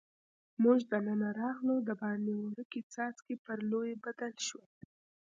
موږ دننه راغلو، دباندې وړوکي څاڅکي پر لویو بدل شول.